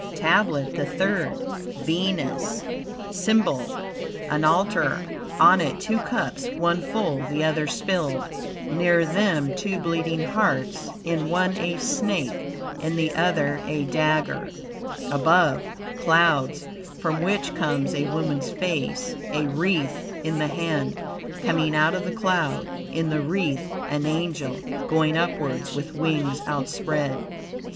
TABLET THE THIRD Venus SYMBOL An altar: on it two cups, one full, the other spilled; near them two bleeding hearts, in one a snake, in the other a dagger. Above clouds, from which comes a woman's face, a wreath in the hand, coming out of the cloud; in the wreath an angel, going upwards, with wings outspread.